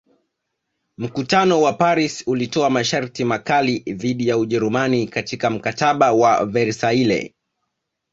Mkutano wa Paris ulitoa masharti makali dhidi ya Ujerumani katika Mkataba wa Versaille